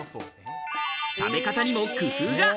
食べ方にも工夫が。